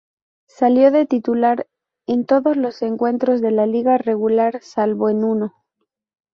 Salió de titular en todos los encuentros de la liga regular salvo en uno.